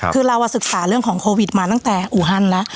คือเราศึกษาเรื่องของโควิดมาตั้งแต่อูฮันแล้ว